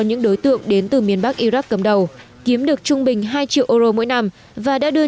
những đối tượng đến từ miền bắc iraq cầm đầu kiếm được trung bình hai triệu euro mỗi năm và đã đưa